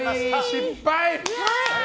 失敗！